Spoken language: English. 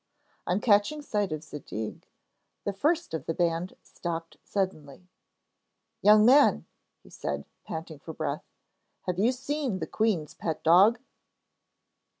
On catching sight of Zadig, the first of the band stopped suddenly. 'Young man,' he said, panting for breath, 'have you seen the queen's pet dog?'